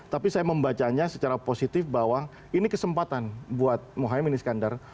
tapi saya membacanya secara positif bahwa ini kesempatan buat mohaimin iskandar